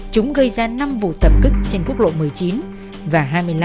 chúng gây ra năm vụ tập kích trên quốc lộ một mươi chín và hai mươi năm